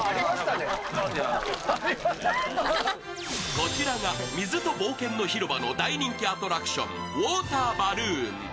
こちらが水と冒険の広場の大人気アトラクションウォーターバルーン。